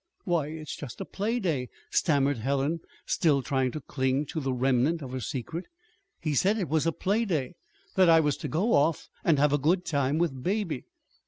"Why, it's just a a playday," stammered Helen, still trying to cling to the remnant of her secret. "He said it was a playday that I was to go off and have a good time with Baby."